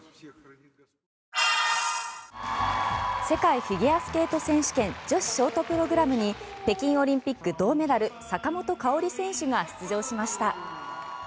世界フィギュアスケート選手権女子ショートプログラムに北京オリンピック銅メダル坂本花織選手が出場しました。